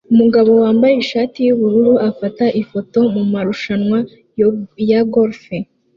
Umugabo wambaye ishati yubururu afata ifoto mumarushanwa ya golf